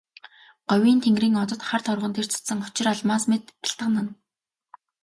Говийн тэнгэрийн одод хар торгон дээр цацсан очир алмаас мэт гялтганан.